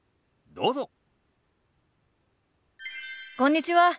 どうぞ。